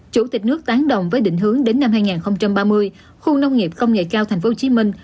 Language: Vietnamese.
chủ tịch nước tán đồng với định hướng đến năm hai nghìn ba mươi khu nông nghiệp công nghệ cao thành phố hồ chí minh